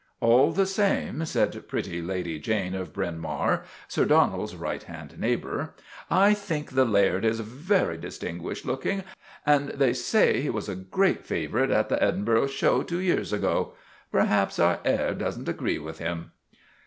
" All the same," said pretty Lady Jane of Bryn Mawr, Sir Donald's right hand neighbor, " I think the Laird is very distinguished looking. And they say he was a great favorite at the Edinburgh show two years ago. Perhaps our air does n't agree with him."